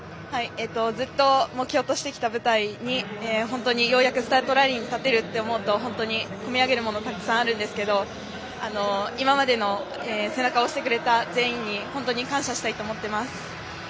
ずっと目標としてきた舞台に、ようやくスタートラインに立てると思うと本当に込み上げるものたくさんあるんですが今まで背中を押してくれた全員に感謝したいと思っています。